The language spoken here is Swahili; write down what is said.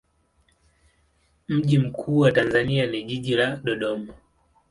Mji mkuu wa Tanzania ni jiji la Dodoma.